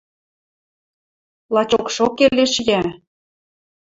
Лачокшок келеш йӓ